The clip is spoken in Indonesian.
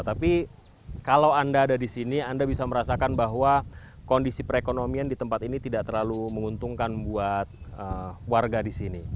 tapi kalau anda ada di sini anda bisa merasakan bahwa kondisi perekonomian di tempat ini tidak terlalu menguntungkan buat warga di sini